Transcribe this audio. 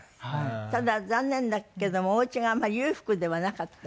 ただ残念だけどもおうちがあまり裕福ではなかった。